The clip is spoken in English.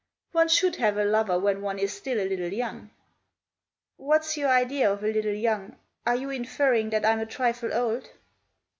" One should have a lover when one is still a little young." "What's your idea of a little young? Are you inferring that I'm a trifle old